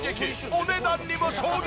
お値段にも衝撃！